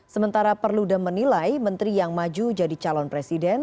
sementara perludem menilai menteri yang maju jadi calon presiden